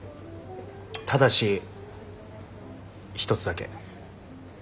ただし一つだけ。